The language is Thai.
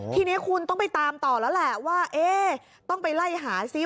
ทีนี้คุณต้องไปตามต่อแล้วแหละว่าต้องไปไล่หาซิ